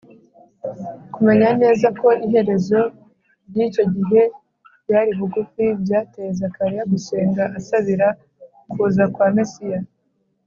Kumenya neza ko iherezo ry’icyo gihe ryari bugufi, byateye Zakariya gusenga asabira kuza kwa Mesiya